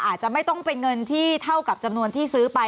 อาจจะไม่ต้องเป็นเงินที่เท่ากับจำนวนที่ซื้อไป